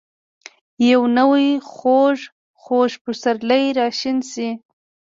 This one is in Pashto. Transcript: یو نوی ،خوږ. خوږ پسرلی راشین شي